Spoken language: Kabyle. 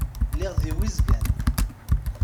Lliɣ di Wizgan.